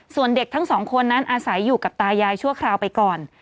ส่วนเด็กทั้งสองคนนั้นอาศัยอยู่กับตายายชั่วคราวไปก่อน